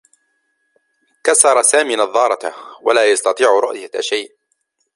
كسّر سامي نظّاراته و لا يستطيع رؤية شيء.